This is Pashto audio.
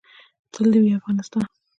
تل دې وي افغانستان